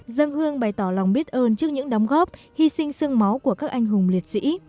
dân hương bày tỏ lòng biết ơn trước những đóng góp hy sinh sương máu của các anh hùng liệt sĩ